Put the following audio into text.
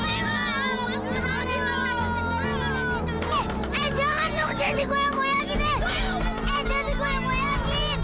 eh jangan digoyang goyangin